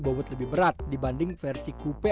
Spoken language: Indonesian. bobot lebih berat dibanding versi kupe